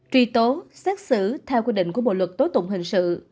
truy tố xét xử theo quy định của bộ luật tố tụng hình sự